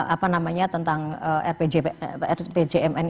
apa namanya tentang rpjmn